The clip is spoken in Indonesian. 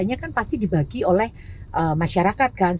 yang lainnya kan pasti dibagi oleh masyarakat kan